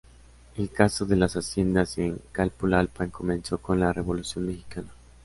El ocaso de las haciendas en Calpulalpan comenzó con la Revolución mexicana.